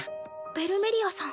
ベルメリアさん。